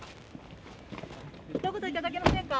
ひと言いただけませんか。